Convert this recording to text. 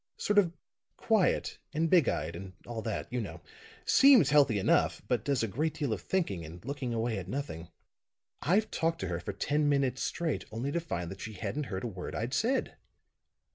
Sort of quiet and big eyed and all that, you know. Seems healthy enough, but does a great deal of thinking and looking away at nothing. I've talked to her for ten minutes straight, only to find that she hadn't heard a word I'd said.